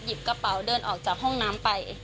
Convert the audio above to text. กระเป๋าเดินออกจากห้องน้ำไป